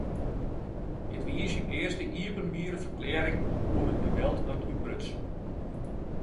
It wie syn earste iepenbiere ferklearring oer it geweld dat útbruts.